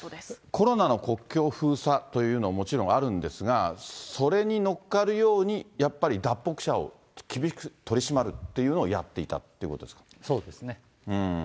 コロナの国境封鎖というのはもちろんあるんですが、それに乗っかるように、やっぱり脱北者を厳しく取締るというのをやっていたっていうことそうですね。